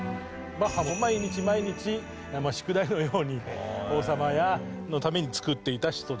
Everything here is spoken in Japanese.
バッハも毎日毎日宿題のように王様やのために作っていた人です。